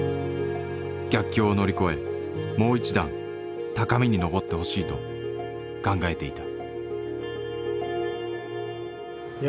逆境を乗り越えもう一段高みに上ってほしいと考えていた。